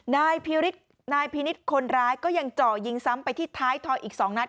นายพินิษฐ์คนร้ายก็ยังเจาะยิงซ้ำไปที่ท้ายทอยอีก๒นัด